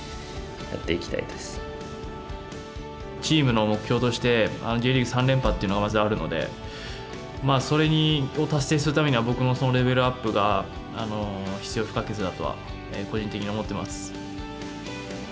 チームの目標としてＪリーグ３連覇っていうのがまずあるのでそれを達成するためには僕のレベルアップが必要不可欠だとは個人的に思ってます。